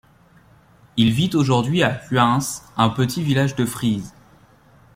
Il vit aujourd'hui à Huins, un petit village de Frise.